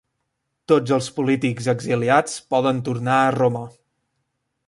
Tots els polítics exiliats poden tornar a Roma.